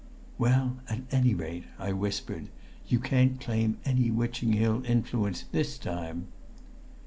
"Well, at any rate," I whispered, "you can't claim any Witching Hill influence this time."